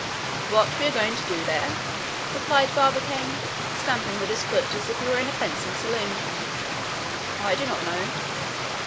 "What we are going to do there?" replied Barbicane, stamping with his foot as if he was in a fencing saloon; "I do not know."